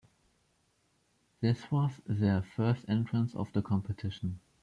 This was their first entrance of the competition.